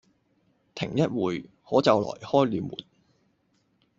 停一會，可就來開了門。